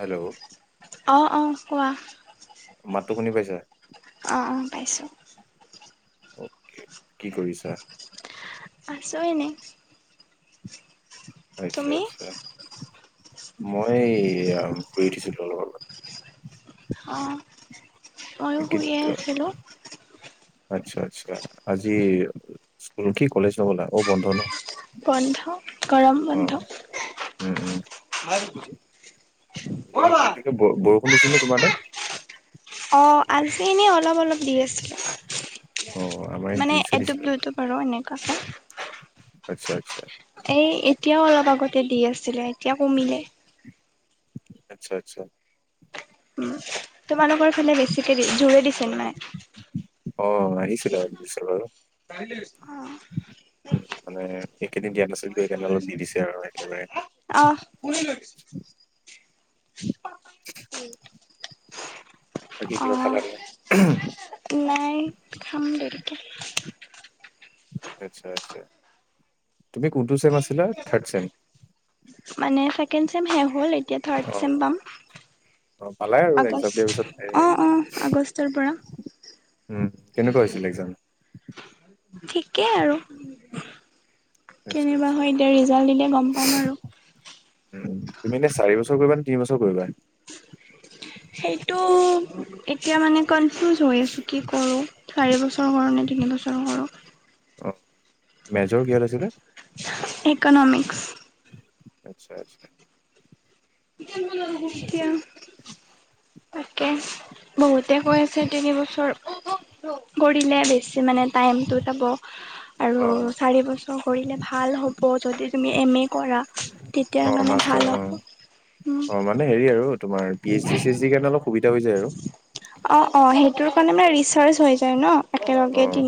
Hello? অ', অ' কোৱা। মাতটো শুনি পাইছা? অ', অ' পাইছো। ওকে কি কৰিছা? আছো এনে। আচ্ছা তুমি আচ্ছা মই ফুৰি উঠিছিলো অলপ আগত। অ' গটা আচ্ছা আচ্ছা আজি স্কুল কি কলেজ নগ'লা অ' বন্ধ ন? বন্ধ গৰম বন্ধ। অ' উম উম হেৰি কি বুলি কয়, বৰষুণ দিছিল নে তোমাৰ তাত? অ' আজি এনেই অলপ অলপ দি আছিল। অ' আমাৰ ইয়াত মানে দিওঁছে এটো দিছিলে অলপ। ব্লুটো বাৰু এনেকুৱা কে। আচ্ছা আচ্ছা। এই, এতিয়াও অলপ আগতে দি আছিলে, এতিয়া কমিলে। আচ্ছা আচ্ছা। তোমালোকৰ ফালে বেছিকৈ দি, জোৰে দিছে মানে? অ' আহিছিলে আৰু পিত আৰু। ষ্টাইলিছ! উঁ! অঁ! এইকেইদিন দিয়া নাছিলে যে সেইকাৰণে অলপ দি দিছে আৰু একেবাৰে! অঁ! উম! বাকী কিবা অঁ! খালা নে নাই? নাই, খাম দেৰিকে। আচ্ছা আচ্ছা! তুমি কোনটো চেম আছিলা? Third sem? মানে ছেকেণ্ড চেম হৈ গ'ল এতিয়া, থাৰ্ড চেম অ' পাম। অ' পালাই আৰু এক্সাম দিয়াৰ আগষ্ট, পিছত অঁ অঁ! আগষ্টৰ পৰা। উম! কেনেকুৱা হৈছিলে এক্সাম? ঠিকেই আৰু। আচ্ছা কেনেবা আচ্ছা হয়, এতিয়া ৰিজাল্ট দিলে গম পাম আৰু। উম! তুমি এনে চাৰি বছৰ কৰিবা নে তিনি বছৰ কৰিবা? সেইটো! এতিয়া মানে কনফিউজ হৈ আছোঁ, কি কৰোঁ? চাৰি বছৰ কৰোঁ নে, তিনিবছৰ কৰোঁ! অ', মেজৰ কিহত আছিলে? ইকনমিক্স। আচ্ছা আচ্ছা। এতিয়া। তাকে, বহুতে কৈ আছে তিনি বছৰ। কৰিলে বেছি মানে, টাইমটোও যাব। আৰু অ', চাৰি বছৰ কৰিলে ভাল হ'ব যদি তুমি এম এ কৰা। তেতিয়া অ', মানে মাষ্টাৰ ভাল অ', হ'ব। উম! অ', মানে হেৰি আৰু! তোমাৰ, P H D, C H ডিৰ কাৰণে অলপ সুবিধা হৈ যায় আৰু! অঁ অঁ! সেইটোৰ কাৰণে মানে ৰিচাৰ্জ হৈ যায় ন? একেলগে অ', তি,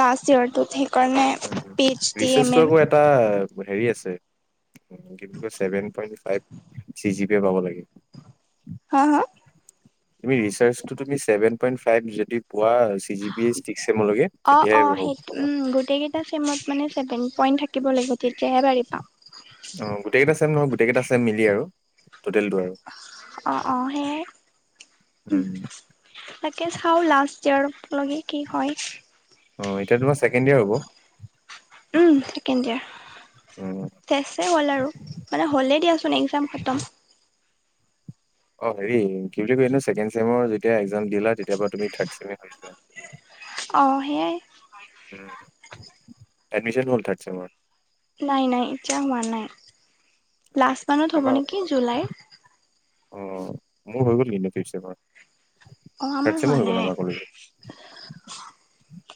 লাষ্ট ইয়েৰটো, সেইকাৰণে পি এইচ ডি, এম এৰ অঁ! এটা হেৰি আছে। Seven point five D G দিয়ে পাব লাগে। হাঁ হাঁ! তুমি ৰিচাৰ্জটো, তুমি ছেভেন পইন্ট ফাইভ যদি পোৱা, চি জি বি জিকে চিক্স চেমলৈকে। অঁ অ উম সেই গোটেইকেইটা চিমত মানে ছেভেন পইণ্ট থাকিব লাগিব, তেতিয়াহে ভাড়ি পাম। অ গোটেই কেইটা ছেম নহয়, গোটেই কেইটা ছেম মিলি আৰু টটেল টু আৰু! অ অ সেয়াই উম। তাকে চাওঁ লাষ্ট ইয়ৰ লগি কি হয় অঁ এতিয়া তোমাৰ ছেকণ্ড ইয়াৰ হ'ব? উম ছেকেণ্ড ইয়াৰ। উম, চেচ হ'ল আৰু, মানে হ'লেই দিয়াচোন এক্সাম খতম। অ হেৰি কি বুলি কয়, এই ছেকেণ্ড চেমৰ যেতিয়া এক্জাম দিলা! তেতিয়াৰ পৰা তুমি থাৰ্ড চেম হৈ জোৱা। অঁ সেইয়াই। উম এডমিশন হ'ল থাৰ্ড চেমৰ? নাই নাই এতিয়া হোৱা নাই, লাষ্ট মান্থত হ'ব নেকি জুলাই! অঁ মোৰ হৈ গ'ল কিন্ত ফিপ ছেমৰ। অঁ আমাৰ হোৱা নাই!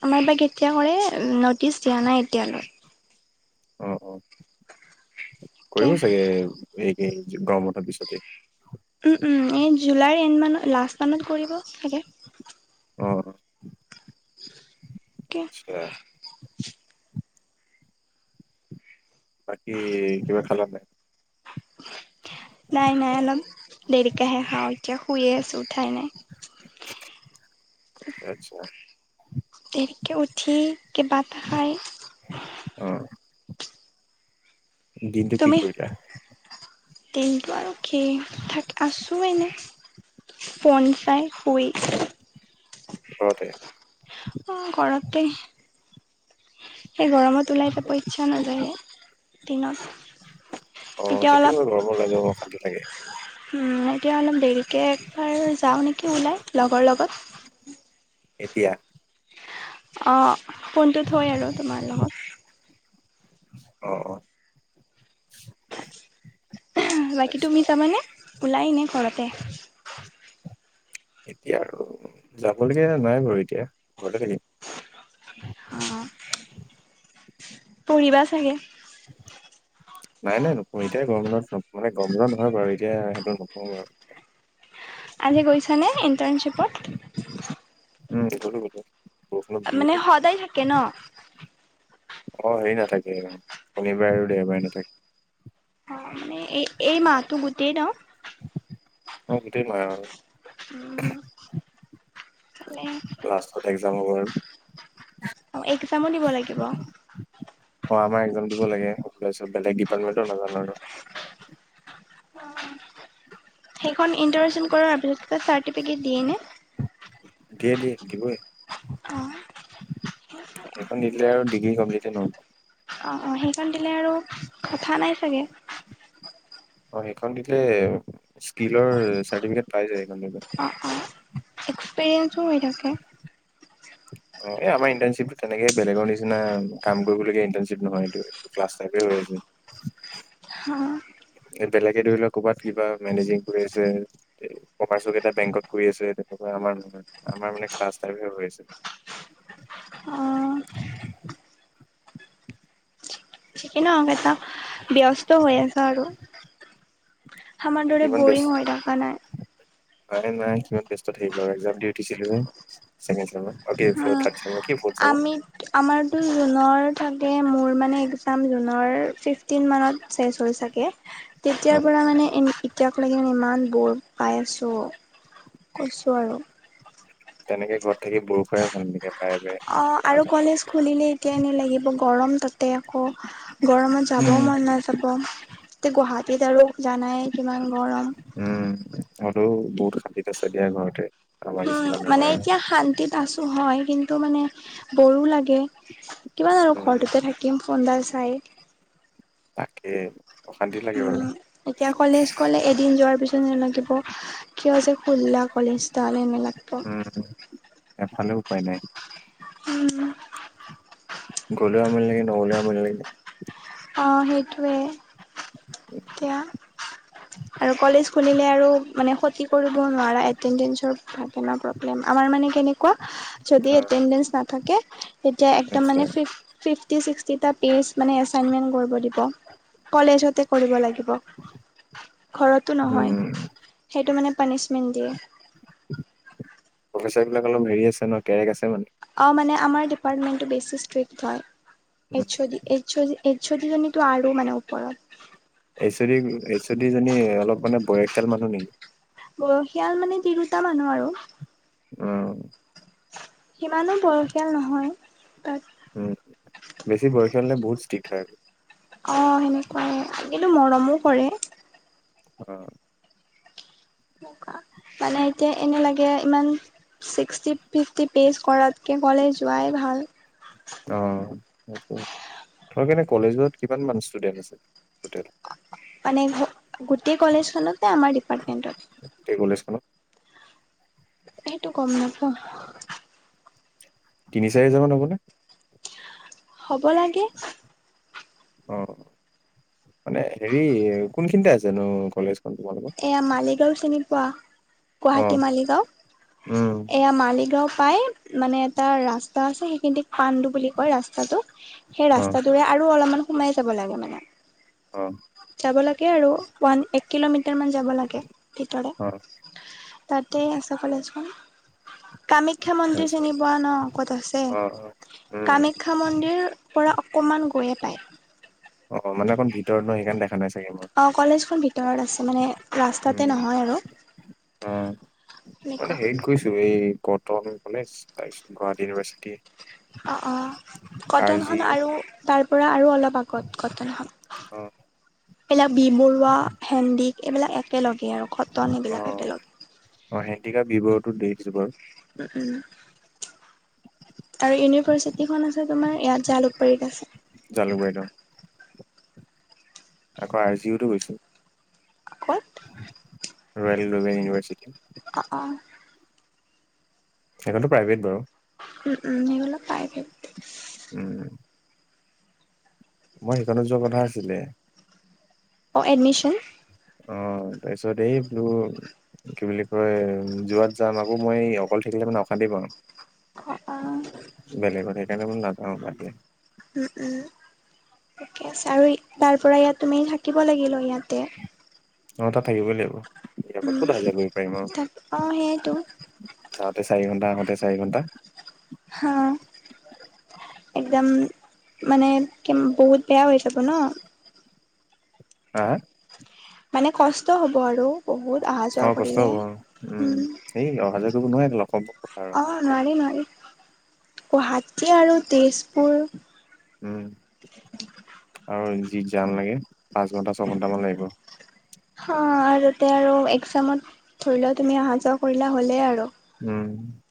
আমাৰ বা কেতিয়া কৰে নটিচ দিয়া নাই এতিয়ালৈ অঁ অঁ তাকে কৰিব চাগে এইকেই গৰম মঠৰ পিছতেই এই জুলাইৰ এণ্ড মানত লাষ্ট মানত কৰিব চাগে আহ আচছা বাকী কিবা খালা নাই নাই নাই অলপ দেৰিকাহে খাওঁ এতিয়া শুয়ে আছো উঠাই নাই আত্ছা তেৰিকে উঠি কেৈ বাট খ অহ। দিনটো কি তুমি কৰিলা? দিনটো আৰু কি থাক আছোঁ এনে ফোন চাই শুই। ঘৰতেই। অ', ঘৰতেই। সেই গৰমত ওলাই যাব ইচ্ছা নাযায়েই দিনত। এতিয়া অ', অলপ সেই [unintelligible] লাগে। উম এতিয়া অলপ দেৰিকে একবাৰ যাওঁ নেকি ওলাই লগৰ লগত। এতিয়া। অ', ফোনটো থৈ আৰু তোমাৰ লগত। অ', অ'। বাকী আচ্ছা তুমি যাব নে ওলাই নে ঘৰতে। এতিয়া আৰু যাবলগীয়া নাই বাৰু এতিয়া ঘৰলে থাকিম। অঁ পঢ়িবা চাগে। নাই নাই নপো এতিয়া গৰমত মানে গৰমবন্ধ নহয় বাৰু এতিয়া সেইটো নপো আৰু। আজি গৈছানে ইণ্টাৰ্ণশ্বিপত। উম, বৰষুণত মানে জিকিলো। সদায় থাকে ন অ', হেৰি নাথাকে শনিবাৰে আৰু দেওবাৰে নাথাকে। অঁ মানে এই, এই মাহটো গোটেই নহ। অহ, গোটেই মাহ আৰু। মানে। লাষ্টত এক্সাম হ'ব আৰু। এক্সামো দিব লাগিব। অ', আমাৰ এক্সাম দিব লাগে তাপিছত বেলেগ ডিপাৰ্টমেন্টৰ নাজানো আৰু। সেইখন ইণ্টাৰশ্যন কৰাৰপিছত চাৰ্টিফিকেট দিয়েই নে? দিয়ে, দিয়ে দিবই। অ', সেইখন নিদিলে আৰু ডিগ্ৰী কমপ্লিটে নহ'ব। অ', অ', সেইকণ দিলে আৰু কথা নাই চাগে। অ', সেইখন দিলে স্কিলৰ চাৰ্টিফিকেট পাই যায় সেইখন দে অ', অ', এক্সপেৰিয়েঞ্চো হৈ থাকে। [inaudible] অ', এই আমাৰ ইণ্টাৰচিপটো তেনেকে বেলেগৰ নিচিনা কাম কৰিবলগীয়া ইন্টাৰচিপ নহয় এইটো। ক্লাছ টাইপ হৈ আছে। হা। তেনেকে ধৰি লও কৰবাত কিবা মেনেজিং কৰি আছে কমাৰ্চ কেইটা বেংকত কৰি আছে তে আমাৰ আমাৰ মানেইে ক্লাছ টাইপহে হৈ আছে। [inaudible] আহ। এই ন এটা ব্যস্ত হৈ আছ আৰু হমাৰ দৰে কিমান বৰিং ব্যস্ত হৈ থকা নাই। নাই, নাই কিমান ব্যস্ত থাকিবা আৰু এক্সাম দি উঠিছিলোহে ছেকেণ্ড চেমত। অহ আমি আমাৰতো জুনৰ থাকে মোৰ মানে এক্সাম জুনৰ ফিফটিন মানত শেচ হয় চাগে তেতিয়াৰ উম, পৰা মানে এ এতিয়া তেতিয়ালকে মানে ইমান বোৰ পাই আছো কৈছোঁ আৰু। তেনেকে ঘৰত থাকি বোৰ পাই ভাল সনেকে বাৰে বাৰে অ', আৰু কলেজ খুলিলে এতিয়া এনে লাগিব গৰম তাতে তাতে আকৌ গৰমত যাব উম মন নাযাব। এ গুৱাহাটীত আৰু জানাই কিমান গৰম। উম আৰু বহুত শান্তিত আছা দিয়া ঘৰতে আমাৰ উম নিচিনা মানে নহয় আৰু এতিয়া শান্তিত আছোঁ হয়। কিন্তু মানে বৰো লাগে, কিমান আৰু উম ঘৰটোতে থাকিম। [unintelligible] তাকে অশান্তি লাগে বাৰু। দিন যোৱাৰ পিছত ন লাগিব কিয় যে খোলা কলেজডাল এনে লাগিব। উম এফালে উপায় নাই। উম। গলেও আমনি লাগে নগলেও আমনি লাগে। অ সেইটোৱে এয়া আৰু কলে খুলিলে আৰু মানে ক্ষতি কৰিব নোৱাৰা এটেণ্ডেঞ্চৰ থাকে না প্ৰব্লেম। আমাৰ মানে কেনেক কোৱা যদি অ, এটেণ্ডেঞ্চ নাথাকে তেতিয়া একদ আচ্ছা মানে ফিফটি চিক্সষ্টিটা পেজ মানে এছাইনমেণ্ট কৰিব দিব। কলেজতে কৰিব লাগিব। ঘৰতো নহয়। উম, সেইটো মানে পানিচমেন্ট দিয়ে। প্ৰফেচাৰ বিলাক অলপ হেৰি আছে ন, কেৰেক আছে মানে। অ মানে আমাৰ ডিপাৰ্টমেন্টটো বেছি ষ্ট্ৰিক্ট হয়, উম, H O D H O D H O D জনীটো আৰু মানে ওপৰত। এইচ এইচ ডি জনী অলপ মানে বয়সখিয়াল মানুহ নেকি? বয়সীয়াল মানে তিৰোটাা মানুহ আৰু। উম। সিমানো বৰখীয়াল নহয় তাত উম বেছি বয়সীয়াল হ'লে বহুত ষ্ট্ৰিকট হয়। অ সেনেকুৱাই, কিন্তু মৰমো কৰে। অ। মানে এতিয়া এনে লাগে ইমান ছিক্সটি ফিফটি পেজ কৰাতকে ক'লে যোৱাই ভাল। অ সেইটোৱে। তোমালোকৰ এনে কলেজত কিমানান ষ্টুডেন্ট আছে টোটেল? মানে ঘ গোটেই কলেজখনত নে, আমাৰ ডিপাৰ্টমেন্টত? গোটেই কলেজ খনত? সেইটো গম নাপাও। তিনি-চাৰি হাজাৰ মান হ'বনে? হ'ব লাগে। অ মানে হেৰি কোনখিনিতে আছেনো কলেজ এয়া মালিগাঁও চিনি পোৱা? অ', গুৱাহাটী মালিগাঁও? উম, এয়া মালিগাঁও পাই মানে এটা ৰাস্তা আছে সেইখিনিক পাণ্ডু বুলি কয় ৰাস্তাটোক। সেই অ', ৰাস্তাটোৰে আৰু অলপমান সোমাই যাব লাগে মানে। অ। যাব লাগে আৰু ওৱান এক কিলোমিটাৰ মান যাব লাগে ভিতৰত, অ', তাতেই আছ কলেজখন। কামাখ্যা মন্দিৰ চিনি নিশ্চয় পোৱা ন ক'ত আছে? অ', অ'। উম, কামাখ্যা মন্দিৰ পৰা অকণমান গৈয়ে পায়। অ মানে অকণ ভিতৰত নো সেইকাৰণ দেখা নাই চাগে মই। অঁ কলেজখন ভিতৰত আছে, মানে উম, ৰাস্তাতে নহয় আৰু। অ'। মানে সেনেকুৱা হেৰিত গৈছো এই কটন কলেজ তাৰপিছত গুৱাহাটী ইউনিভাৰ্চিটি। অ অ আৰ জি কটনখন ইউ আৰু তাৰপৰা আৰু অলপ আগত কটনখন। অ। এইবিলাক বি বৰুৱা, হেন্দিক এইবিলাক একেলগে আৰু। কটন এইবিলাক অ একেলগে। অ হেন্ডিক আৰু বি বৰুৱাটো দেখিছো বাৰু। উম। আৰু ইউনিভাৰ্চিটিখন আছে তোমাৰ ইয়াত জালুকবাৰীত আছে। জালুকবাৰীত অ, আকৌ, আৰ জিও তো গৈছো। ক'ত। Royal and global university. অ, অ, সেইখনতো প্ৰাইভেট বাৰু। উম, উম, সেইবিলাক প্ৰাইভেট। উম, মই সেইখনত যোৱা কথা আছিলে। অ, এডমিশ্যন। অ, তাৰপিছত এই বোলো। কি, বুলি কয় যোৱাত যাম আকৌ মই অকল থাকিলে মানে অশান্তি পাওঁ। অ, অ, বেলেগত সেইকাৰণে বোলো নাযাওঁ বাদ দিয়া। উম, উম, থিকে আছে আৰু তাৰ পৰা ইয়াত তুমি থাকিব লাগিল ইয়াতে। অ, তাত থাকিবই লাগিব। ইয়াৰ পৰা উম, ক'ত অহা যোৱা কৰিব পাৰিম আৰু তাক অ, সেইয়েটো। যাওঁতে চাৰি ঘণ্টা আহোতে চাৰি ঘণ্টা। হা, একদম, মানে বহুত বেয়া হৈ যাব ন। অ, মানে কষ্ট হ'ব আৰু বহুত অহা যোৱা অ কষ্ট কৰিলে। হ'ব উম, এই অহা যোৱা কৰিব নোৱাৰি এইডাল অসম্ভব কথা। আৰু অ, নোৱাৰি নোৱাৰি গুৱাহাটী আৰু তেজপুৰ। উম, আৰু যি জাম লাগে পাঁচ ঘন্টা ছঘন্টামান লাগিব। অ, আৰু তাতে আৰু এক্জামত ধৰি লোৱা তুমি অহা যোৱা কৰিলা হ'লেই আৰু। উম,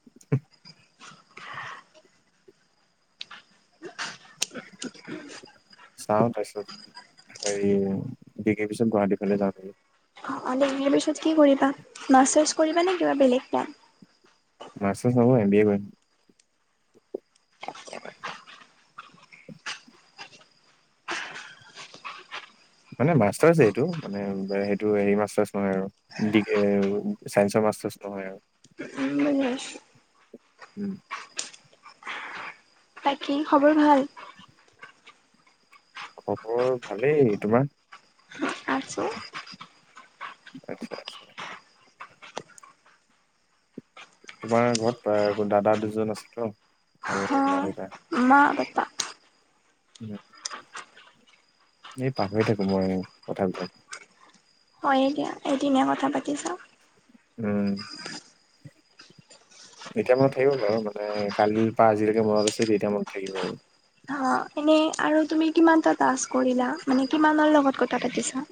চাওঁ তাৰপিছত হেৰি বি কে পিছত গুৱাহাটীৰ ফালে যাওঁ নেকি। অলনাৰ পিছত কি কৰিবা মাষ্টাৰ্ছ কৰিবা নে কিবা বেলেগ কাম। মাষ্টাৰছ নহয় এমবিএ কৰিম। মানে মাষ্টাৰ্চে এইটো, মানে সেইটো হেৰি মাষ্টাৰছ নহয়, আৰু। ডিক, চায়েন্সৰ মাষ্টাৰছ নহয় আৰু। উম, বুজি পাইছো। উম, বাকী খবৰ ভাল। খবৰ ভালেই তোমাৰ। আছোঁ। আচ্ছা আচ্ছা। তোমাৰ ঘৰত আ, দাদা দুজন আছিল ন আৰু মা অ' দেউতা। মা, পাপা। উম, এই পাহৰি থাকো মই কথাবিলাক। হয়ই দিয়া, এদিনে কথা পাতি চা। উম, এতিয়া মনত থাকিব বাৰু মানে কালিৰ পৰা আজিলৈকে মনত আছে যিহেতু মনত থাকিব আৰু। এনেই আৰু তুমি কিমান এটা তাজ কৰিলা মানে কিমানৰ লগত কথা পাতিছা।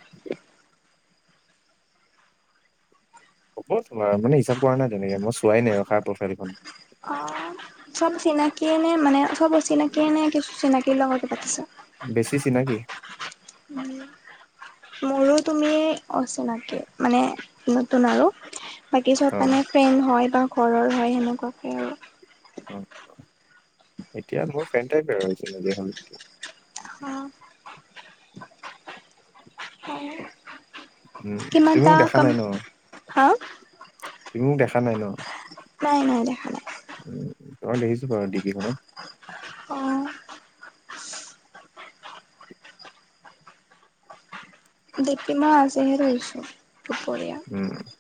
হ'ব তোমাৰ মানে হিচাপ কৰা নাই তেনেকে মই চোৱাই নাই ৰখাৰ প্ৰফাইলখন। অ, চব চিনাকিয় নে, মানে চব অচিনাকিয় নে কিছু চিনাকিৰ লগত পাতিছা। বেছি চিনাকি। উম, সৰু, তুমি অচিনাকি মানে নতুন আৰু বাকী অ চব মানে ফ্ৰেণ্ড হয় বা ঘৰৰ হয়, সেনেকুৱাকে আৰু অ', অ', এতিয়া মোৰ ফ্ৰেণ্ড টাইপেই আৰু অচিনাকি হ'লেও অ'। উম তুমি কিমানটা মোক দেখা কম নাই ন হা? তুমি মোক দেখা নাই ন? নাই, নাই। দেখা নাই। উম, তোমাক দেখিছোঁ বাৰু ডিপিখনত। অ' ডিপি মই আজি হে দিছোঁ, দুপৰীয়া উম।